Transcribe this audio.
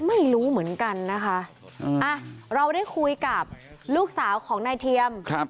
ไม่รู้เหมือนกันนะคะเราได้คุยกับลูกสาวของนายเทียมครับ